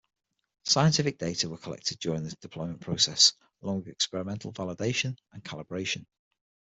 Scientific data were collected during the deployment process, along with experimental validation and calibration.